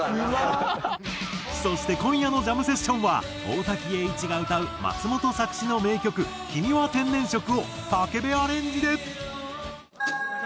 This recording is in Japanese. そして今夜のジャムセッションは大滝詠一が歌う松本作詞の名曲『君は天然色』を武部アレンジで！